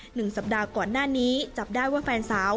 หนึ่งสัปดาห์ก่อนหน้านี้จับได้ว่าแฟนสาว